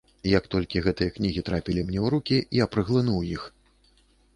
Як толькі гэтыя кнігі трапілі мне ў рукі, я праглынуў іх.